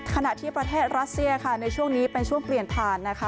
ขณะที่ประเทศรัสเซียค่ะในช่วงนี้เป็นช่วงเปลี่ยนผ่านนะคะ